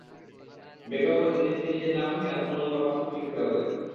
ব্যাগের ওপর ইংরেজিতে নিজের নাম-ঠিকানা, ফোন নম্বর, পাসপোর্ট নম্বর লিখতে হবে।